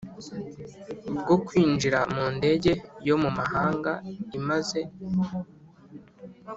Bwo kwinjira mu ndege yo mu mahanga imaze